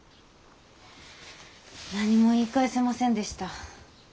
何も言い返せませんでした。